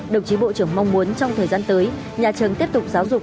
đồng chí bộ trưởng mong muốn trong thời gian tới nhà trường tiếp tục giáo dục